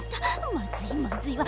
まずいまずいわ。